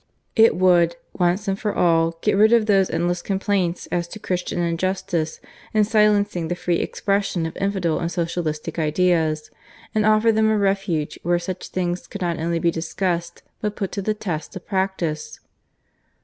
It would, once and for all, get rid of those endless complaints as to Christian injustice in silencing the free expression of infidel and socialistic ideas, and offer them a refuge where such things could not only be discussed, but put to the test of practice.